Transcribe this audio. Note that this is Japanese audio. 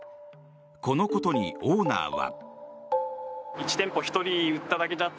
このことにオーナーは。